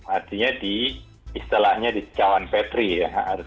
artinya di istilahnya di cawan petri ya